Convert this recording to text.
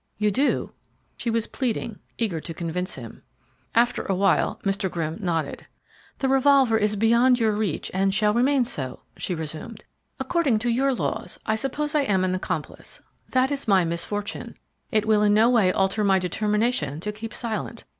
You do?" She was pleading, eager to convince him. After a while Mr. Grimm nodded. "The revolver is beyond your reach and shall remain so," she resumed. "According to your laws I suppose I am an accomplice. That is my misfortune. It will in no way alter my determination to keep silent.